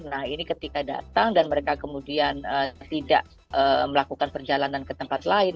nah ini ketika datang dan mereka kemudian tidak melakukan perjalanan ke tempat lain